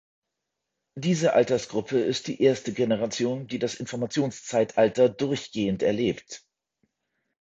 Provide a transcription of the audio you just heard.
Diese Altersgruppe ist die erste Generation, die das Informationszeitalter durchgehend erlebt.